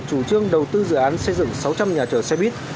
chủ trương đầu tư dự án xây dựng sáu trăm linh nhà chở xe buýt